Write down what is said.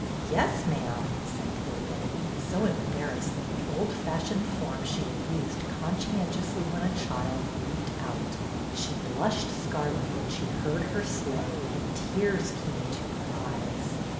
" Yes, Mam," said poor Betty, so embarrassed that the old fashioned form she had used con scientiously when a child leaped out, She blushed BETTY'S CLIENT 305 scarlet when she heard her slip, and tears came into her eyes.